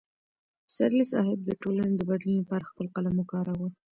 پسرلی صاحب د ټولنې د بدلون لپاره خپل قلم وکاراوه.